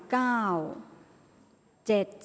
ออกรางวัลที่๖